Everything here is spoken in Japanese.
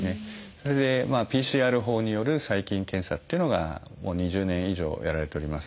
それでＰＣＲ法による細菌検査っていうのがもう２０年以上やられております。